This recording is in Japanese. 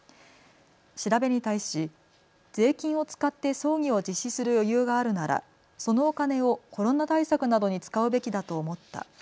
調べに対し税金を使って葬儀を実施する余裕があるなら、そのお金をコロナ対策などに使うべきだと思った。